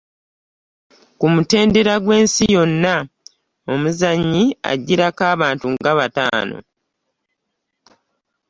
Ku mutendera gw'ensi yonna omuzannyi ajirako abantu nga bataano.